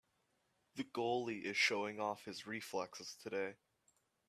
The goalie is showing off his reflexes today.